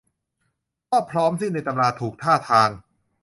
ก็พร้อมสิ้นในตำราถูกท่าทาง